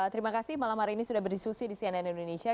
terima kasih malam hari ini sudah berdiskusi di cnn indonesia